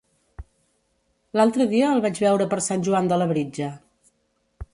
L'altre dia el vaig veure per Sant Joan de Labritja.